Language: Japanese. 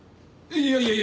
いやいやいや。